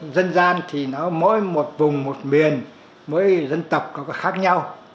dân gian thì nó mỗi một vùng một miền mỗi dân tộc nó có khác nhau